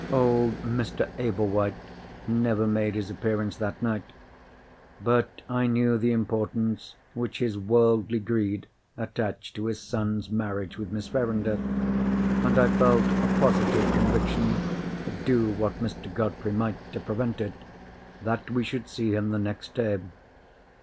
Old Mr. Ablewhite never made his appearance that night. But I knew the importance which his worldly greed attached to his son's marriage with Miss Verinder—and I felt a positive conviction (do what Mr. Godfrey might to prevent it) that we should see him the next day.